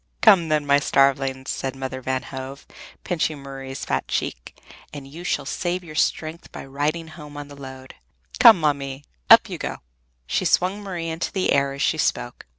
"Come, then, my starvelings," said Mother Van Hove, pinching Marie's fat cheek, "and you shall save your strength by riding home on the load! Here, Ma mie, up you go!" She swung Marie into the air as she spoke.